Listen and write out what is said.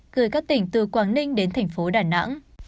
gửi các tỉnh từ quảng ninh đến thành phố đà nẵng